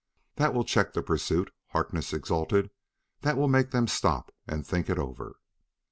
"That will check the pursuit," Harkness exulted; "that will make them stop and think it over."